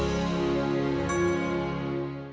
aku bisa jelasin semuanya sama kamu